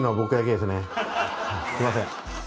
すいません。